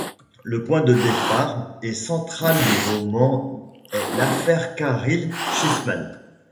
Le point de départ et central du roman est l'affaire Caryl Chessman.